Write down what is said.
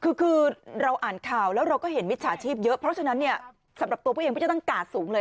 คือเราอ่านข่าวแล้วเราก็เห็นมิจฉาชีพเยอะเพราะฉะนั้นเนี่ยสำหรับตัวผู้ยังไม่ได้ตั้งกาดสูงเลย